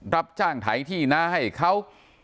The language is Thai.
รับจ้างไถที่น้าให้เขา